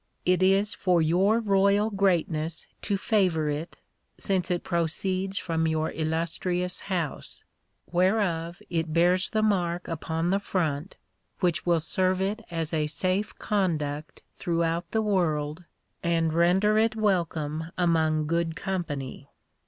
It is for Your Royal Greatness to favour it since it proceeds from your illustrious House, whereof it bears the mark upon the front, which will serve it as a safe conduct throughout the world and render it welcome among good company.